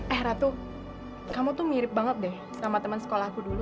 eh ratu kamu tuh mirip banget deh sama temen sekolahku dulu